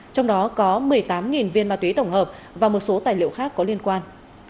trong đó có một mươi tám viên ma túy tổng hợp và một số tài liệu khác có liên quan